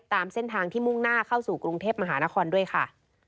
ตามเส้นทางที่มุ่งหน้าเข้าสู่กรุงเทพมหานครด้วยค่ะ